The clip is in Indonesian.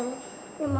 lanjut aja bu